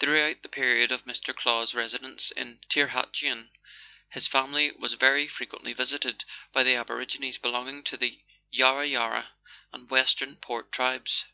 Throughout the period of Mr. Clow's residence at Tirhatuan, his family was very frequently visited by the aborigines belonging to the Yarra Yarra and Western Port tribes.